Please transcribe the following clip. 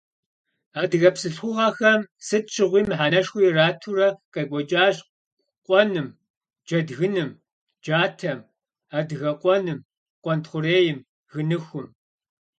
Адыгэ бзылъхугъэхэм сыт щыгъуи мыхьэнэшхуэ иратурэ къекӀуэкӀащ къуэным, джэдгыным, джатэм, адыгэкъуэным, къуэнтхъурейм, гыныхум.